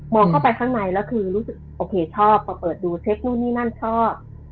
มองเข้าไปข้างในแล้วคือโอเคชอบประเปิดดูเช็คนู่นนี่นั่นชอบ